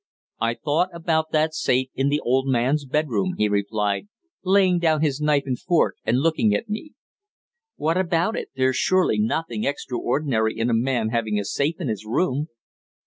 "I thought about that safe in the old man's bedroom," he replied, laying down his knife and fork and looking at me. "What about it? There's surely nothing extraordinary in a man having a safe in his room?"